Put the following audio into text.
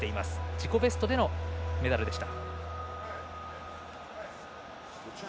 自己ベストでのメダルでした。